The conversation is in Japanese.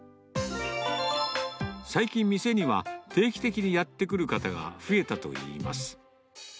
最近、店には定期的にやって来る方が増えたといいます。